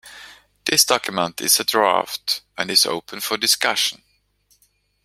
This document is a draft, and is open for discussion